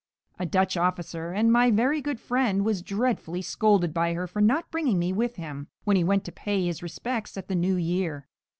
A Dutch officer, and my very good friend, was dreadfully scolded by her for not bringing me with him, when he went to pay his respects at the new year.